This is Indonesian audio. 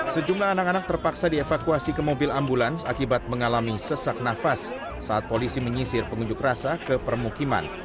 sejumlah anak anak terpaksa dievakuasi ke mobil ambulans akibat mengalami sesak nafas saat polisi menyisir pengunjuk rasa ke permukiman